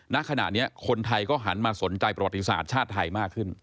ณขณะนี้คนไทยก็หันมาสนใจประวัติศาสตร์ชาติไทยมากขึ้น